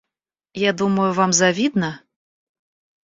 Я думаю, вам завидно?